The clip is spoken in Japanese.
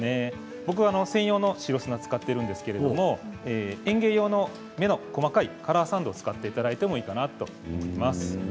僕は専用の白砂を使っていますが園芸用の目の細かいカラーサンドを使っていただいてもいいと思います。